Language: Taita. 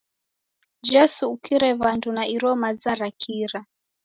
Jesu ukire w'andu na iro maza ra kira!